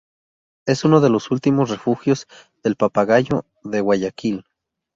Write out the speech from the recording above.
Es uno de los últimos refugios del Papagayo de Guayaquil.